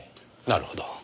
なるほど。